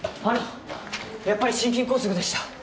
あのやっぱり心筋梗塞でした。